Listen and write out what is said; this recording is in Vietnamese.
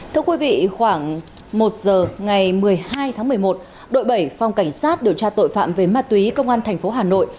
thưa quý vị khoảng một giờ ngày một mươi hai tháng một mươi một đội bảy phòng cảnh sát điều tra tội phạm về ma túy công an tp hà nội